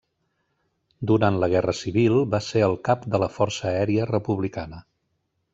Durant la Guerra Civil va ser el cap de la Força Aèria Republicana.